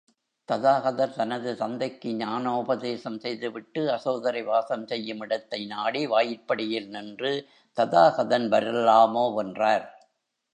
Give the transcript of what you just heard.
ததாகதர் தனது தந்தைக்கு ஞானோபதேசம் செய்துவிட்டு அசோதரை வாசம் செய்யும் இடத்தை நாடி வாயிற்படியில் நின்று ததாகதன் வரலாமோவென்றார்.